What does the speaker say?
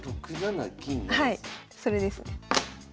はいそれですね。